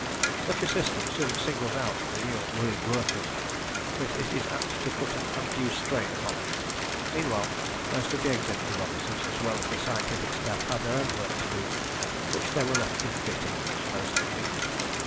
Such a system soon singles out the real willing workers, but it is apt to put an undue strain upon them. Meanwhile most of the executive officers as well as the scientific staff had their own work to do, which they were left to fit in as most convenient.